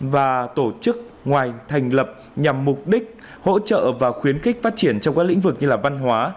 và tổ chức ngoài thành lập nhằm mục đích hỗ trợ và khuyến khích phát triển trong các lĩnh vực như văn hóa